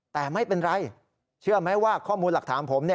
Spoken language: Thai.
แต่ไม่เป็นไรเชื่อไหมว่าข้อมูลหลักฐานผม